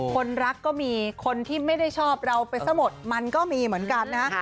คนรักก็มีคนที่ไม่ได้ชอบเราไปซะหมดมันก็มีเหมือนกันนะฮะ